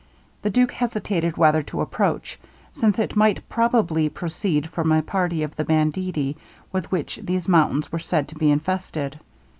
The duke hesitated whether to approach, since it might probably proceed from a party of the banditti with which these mountains were said to be infested.